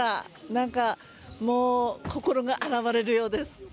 なんかもう心が洗われるようです。